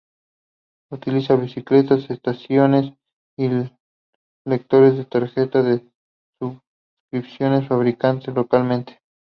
Utiliza bicicletas, estaciones y lectores de tarjetas de suscripción fabricadas localmente.